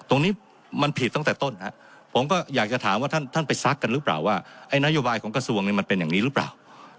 ตรงนี้มันผิดตั้งแต่ต้นผมก็อยากจะถามว่าท่านไปซักกันหรือเปล่าว่าไอ้นโยบายของกระทรวงเนี่ยมันเป็นอย่างนี้หรือเปล่า